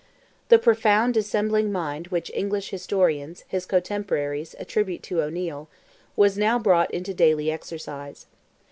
The "profound dissembling mind" which English historians, his cotemporaries, attribute to O'Neil, was now brought into daily exercise.